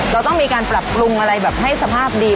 เราต้องมีการปรับปรุงอะไรแบบให้สภาพดี